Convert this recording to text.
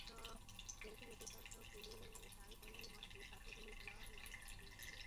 Del স্টেইনের দুর্দান্ত বোলিংয়ে কাল গলের মরা পিচ বধ্যভূমি হলো লঙ্কানদের।